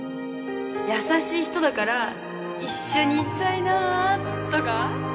優しい人だから一緒にいたいなとか